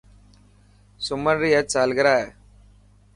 سمن ري اڄ سالگرا هي.